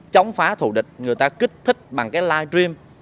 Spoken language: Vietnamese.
chống phá thù địch người ta kích thích bằng cái live stream